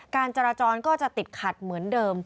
การจราจรก็จะติดขัดเหมือนเดิม